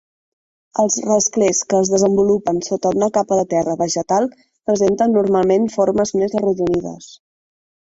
Els rasclers que es desenvolupen sota una capa de terra vegetal presenten normalment formes més arrodonides.